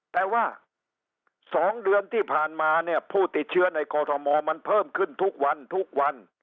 แต่ว่า๒เดือนที่ผ่านมาเนี่ยผู้ติดเชื้อในกรทมมันเพิ่มขึ้นทุกวันทุกวัน